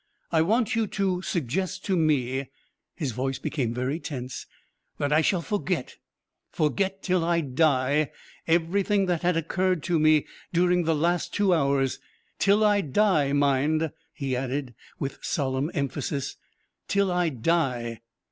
I want you to suggest to me" his voice became very tense "that I shall forget forget till I die everything that has occurred to me during the last two hours; till I die, mind," he added, with solemn emphasis, "till I die."